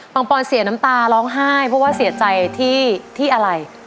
ปอนเสียน้ำตาร้องไห้เพราะว่าเสียใจที่อะไร